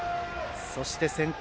そして先攻